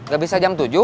gak bisa jam tujuh